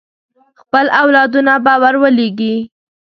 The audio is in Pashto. خپل اولادونه به ور ولېږي.